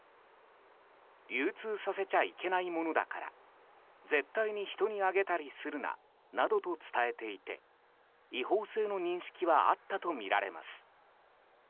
流通させちゃいけないものだから絶対に人にあげたりするななどと伝えていて違法性の認識はあったとみられます。